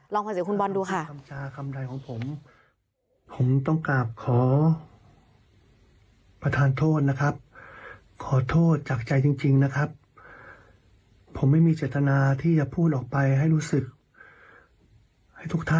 ลองฝังเสียคุณบอลดูค่ะ